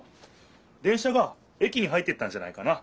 電車が駅に入っていったんじゃないかな。